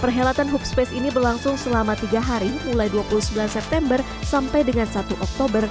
perhelotan hoopspace ini berlangsung selama tiga hari mulai dua puluh sembilan september sampai dengan satu oktober dua ribu dua puluh tiga